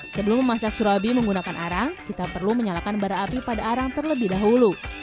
sebelum memasak surabi menggunakan arang kita perlu menyalakan bara api pada arang terlebih dahulu